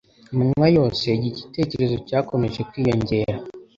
Amanywa yose, iki gitekerezo cyakomeje kwiyongera